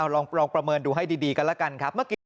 ลองประเมินดูให้ดีกันแล้วกันครับ